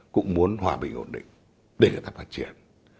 cũng muốn hòa bình ổn định để người ta phát triển